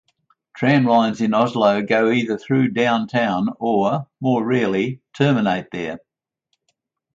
Tram lines in Oslo go either through downtown, or, more rarely, terminate there.